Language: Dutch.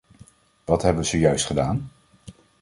Wat hebben we zojuist gedaan?